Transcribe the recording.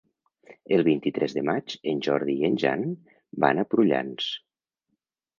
El vint-i-tres de maig en Jordi i en Jan van a Prullans.